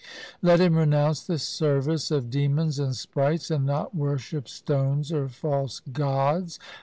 Let him renounce the service of demons and sprites, and not worship stones or false gods.